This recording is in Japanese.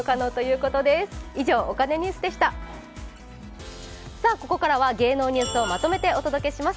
ここからは芸能ニュースをまとめてお届けします。